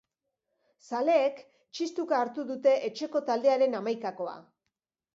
Zaleek txistuka hartu dute etxeko taldearen hamaikakoa.